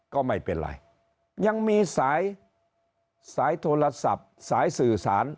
ก็ไม่เป็นไรยังมีสายสายโทรศัพท์สายสื่อสาร